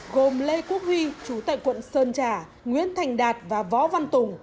gồm lê quốc huy chú tại quận sơn trà nguyễn thành đạt và võ văn tùng